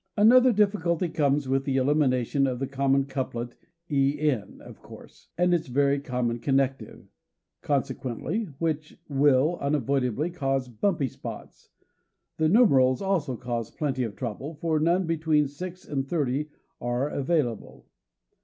Another difficulty comes with the elimination of the common couplet "of course," and its very common connective, "consequently;" which will, unavoidably cause "bumpy spots." The numerals also cause plenty of trouble, for none between six and thirty are available.